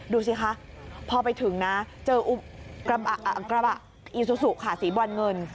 ดูสิคะพอไปถึงนะเจอกระบะอีซูซูค่ะสีบรอนเงิน